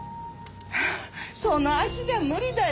その足じゃ無理だよ。